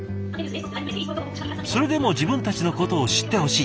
それでも自分たちのことを知ってほしい。